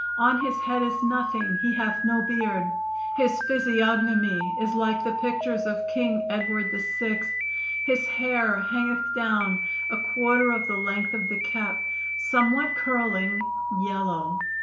On his head is nothing, he hath no berd. His phisiognomy is like the pictures of King Edward the Sixth; his hair hangeth down a quarter of the length of the Cap, somewhat curling, yellow.